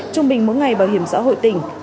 trung bình mỗi ngày bảo hiểm xã hội tỉnh